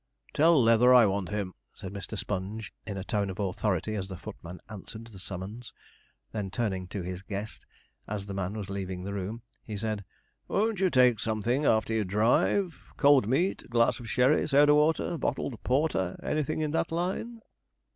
'Tell Leather I want him,' said Mr. Sponge, in a tone of authority, as the footman answered the summons; then, turning to his guest, as the man was leaving the room, he said, 'Won't you take something after your drive cold meat, glass of sherry, soda water, bottled porter anything in that line?'